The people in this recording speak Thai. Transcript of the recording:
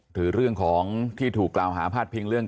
หรือเรื่องของที่ถูกกล่าวหาพาดพิงเรื่อง